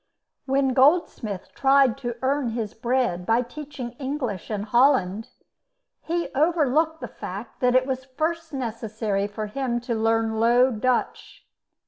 When Goldsmith tried to earn his bread by teaching English in Holland, he overlooked the fact that it was first necessary for him to learn Low Dutch.